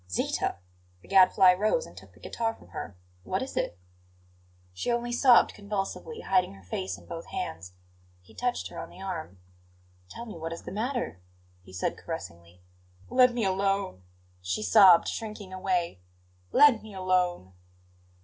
"Zita!" The Gadfly rose and took the guitar from her hand. "What is it?" She only sobbed convulsively, hiding her face in both hands. He touched her on the arm. "Tell me what is the matter," he said caressingly. "Let me alone!" she sobbed, shrinking away. "Let me alone!"